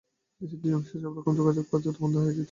দেশের দুই অংশের মধ্যে সব রকম যোগাযোগ কার্যত বন্ধই হয়ে গেল।